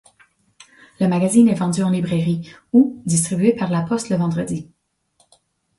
Le magazine est vendu en librairie ou distribué par la poste le vendredi.